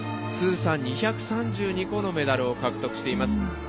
通算２３２個のメダルを獲得しています。